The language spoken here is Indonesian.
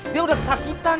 dia udah kesakitan